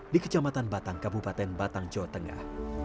di kecamatan batang kabupaten batang jawa tengah